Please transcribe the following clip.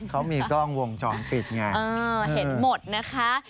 เขามีกล้องวงจรปิดไงเห็นหมดนะคะ